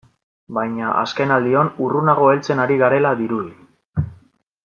Baina azkenaldion urrunago heltzen ari garela dirudi.